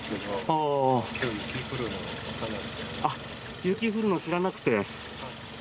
雪、降るの知らなくて？